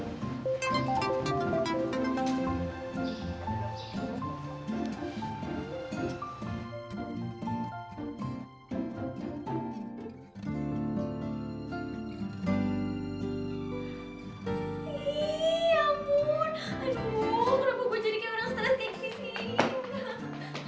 ih ampun aduh kenapa gue jadi kayak orang strategi sih